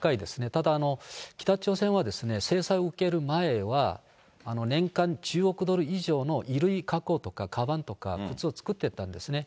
ただ北朝鮮はですね、制裁を受ける前は、年間１０億ドル以上の衣類加工とか、かばんとか、靴を作ってたんですね。